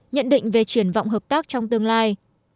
nhận định về triển vọng hợp tác trong tương lai